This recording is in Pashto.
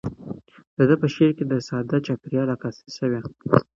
د ده په شعر کې د ساده چاپیریال عکاسي شوې.